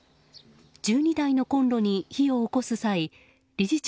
１２台のコンロに火を起こす際理事長